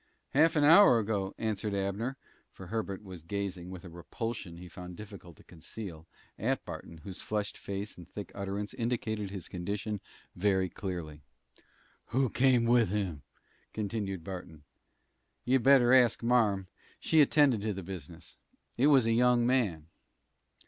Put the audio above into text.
"Half an hour ago," answered Abner, for Herbert was gazing, with a repulsion he found it difficult to conceal, at Barton, whose flushed face and thick utterance indicated his condition very clearly. "Who came with him?" continued Barton. "You'd better ask marm. She attended to the business. It was a young man."